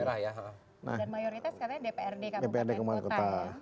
dan mayoritas katanya dprd kabupaten kota